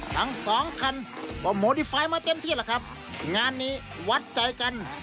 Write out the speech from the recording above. ทั้งสองคันก็โมดี้ไฟล์มาเต็มที่แหละครับงานนี้วัดใจกัน